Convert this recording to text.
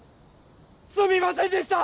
すみませんでした！